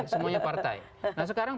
semuanya partai nah sekarang